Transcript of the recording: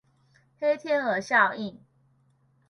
黑天鵝效應